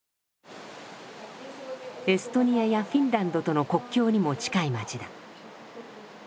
エストニアやフィンランドとの国境にも近い町だ。